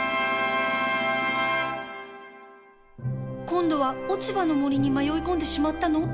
今度は落ち葉の森に迷い込んでしまったの？